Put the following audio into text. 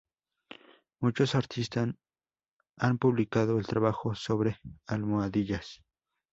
Muchos, artistas han publicado el trabajo sobre almohadillas.